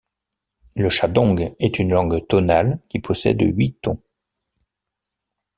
Le chadong est une langue tonale qui possède huit tons.